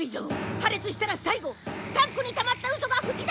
破裂したら最後タンクにたまったウソが噴き出し